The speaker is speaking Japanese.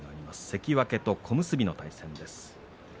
関脇と小結の対戦です。